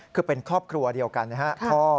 คือเป็นครอบครัวเดียวกันนะครับ